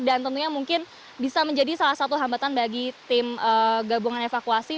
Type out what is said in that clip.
dan tentunya mungkin bisa menjadi salah satu hambatan bagi tim gabungan evakuasi